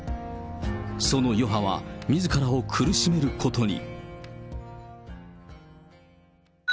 その余波はみずからを苦しめることに。